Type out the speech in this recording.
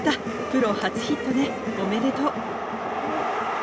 プロ初ヒットねおめでとう。